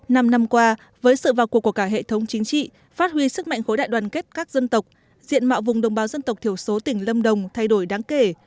năm năm qua với sự vào cuộc của cả hệ thống chính trị phát huy sức mạnh khối đại đoàn kết các dân tộc diện mạo vùng đồng bào dân tộc thiểu số tỉnh lâm đồng thay đổi đáng kể